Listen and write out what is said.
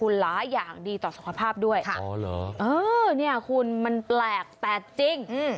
เนี่ยคุณมันแปลกแต่จริง